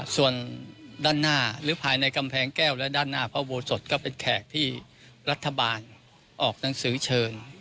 ส่วนด้านหน้าหรือภายในกำแพงแก้วและด้านหน้าพระอุโบสถก็เป็นแขกที่รัฐบาลออกหนังสือเชิญ